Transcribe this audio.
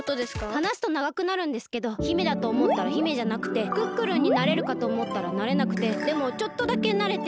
はなすとながくなるんですけど姫だとおもったら姫じゃなくてクックルンになれるかとおもったらなれなくてでもちょっとだけなれて。